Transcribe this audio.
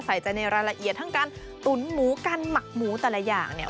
ใส่ใจในรายละเอียดทั้งการตุ๋นหมูการหมักหมูแต่ละอย่างเนี่ย